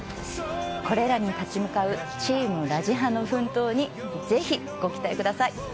これらに立ち向かうチームラジハの健闘にぜひご期待ください。